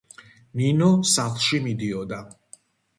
ნინო სახლში მიდიოდა